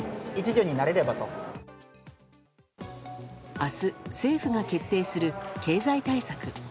明日、政府が決定する経済対策。